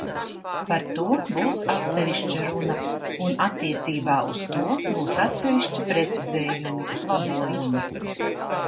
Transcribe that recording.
Par to būs atsevišķa runa, un attiecībā uz to būs atsevišķi precizējumi, labojumi.